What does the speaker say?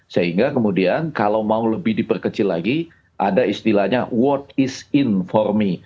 sehingga kemudian kalau mau lebih diperkecil lagi ada istilahnya what is in for me